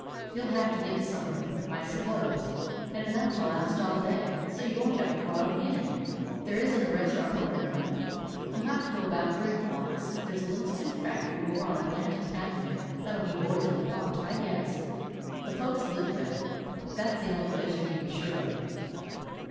You will have to get something, I suppose, and enough to last all day, so you won't have to go out again. There is n't a restaurant open, though. You 'll have to go about three blocks. There 's a little soup factory over on Atlantic Avenue that 'll be boiling the pot, I guess. The folks live there. That 's the only place you can be sure of."